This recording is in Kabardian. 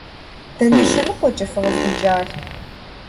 Дэнэ лъэныкъуэкӏэ фыкъыздикӏар?